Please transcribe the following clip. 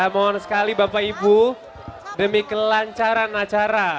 mohon sekali bapak ibu demi kelancaran acara